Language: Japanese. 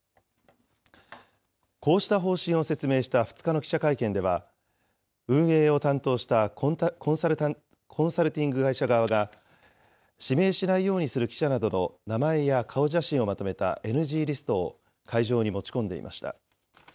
こうした方針を説明した２日の記者会見では、運営を担当したコンサルティング会社側が、指名しないようにする記者などの名前や顔写真をまとめたＮＧリストを会場に持ち込んでいました。